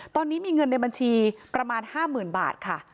ตอนนี้มีเงินในบัญชีประมาณ๕๐๐๐บาทค่ะ